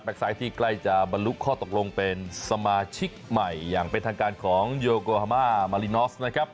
ไซต์ที่ใกล้จะบรรลุข้อตกลงเป็นสมาชิกใหม่อย่างเป็นทางการของโยโกฮามามารินอสนะครับ